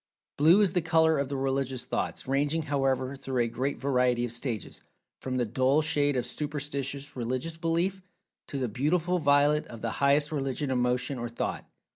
Blue is the color of the Religious thoughts, ranging, however, through a great variety of stages, from the dull shade of superstitious religious belief, to the beautiful violet of the highest religious emotion or thought.